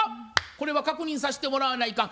これは確認させてもらわないかん。